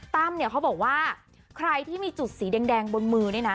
ตั้มเขาบอกว่าใครที่มีจุดสีแดงบนมือ